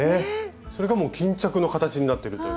それがもう巾着の形になってるという。